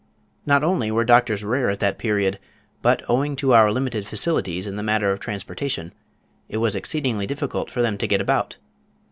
Not only were doctors rare at that period, but owing to our limited facilities in the matter of transportation, it was exceedingly difficult for them to get about.